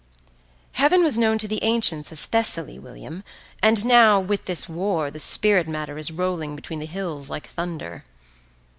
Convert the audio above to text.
"Heaven was known to the ancients as Thessaly, William, and now, with this war, the spirit matter is rolling between the hills like thunder."